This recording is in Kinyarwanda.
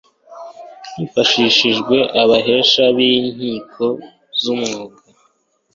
hifashishijwe abahesha b'inkiko z'umwuga